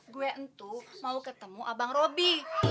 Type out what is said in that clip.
gue ntuh mau ketemu abang robi